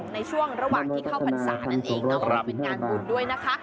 ในช่วงระหว่างที่เข้าพรรษานั่นเองเนาะเป็นงานบุญด้วยนะคะ